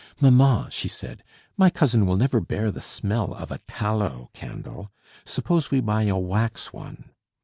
"Mamma," she said, "my cousin will never bear the smell of a tallow candle; suppose we buy a wax one?"